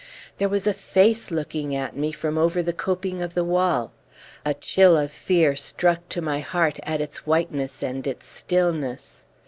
There was a face looking at me from over the coping of the wall. A chill of fear struck to my heart at its whiteness and its stillness.